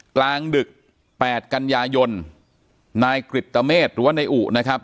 กลางดึกแปดกันยายนนายกริตเมษหรือว่านายอุนะครับ